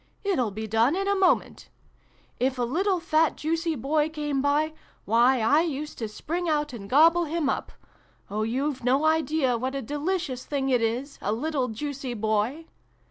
"It'll be done in a moment! ' if a little fat juicy Boy came by, why, I used to spring out and gobble him up ! Oh, you've no idea what a delicious thing it is a little juicy Boy